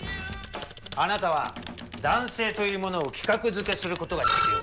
あなたは男性というものを規格づけすることが必要です。